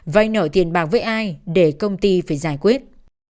vay nợ tiền bạc với ai để công ty phải giải quyết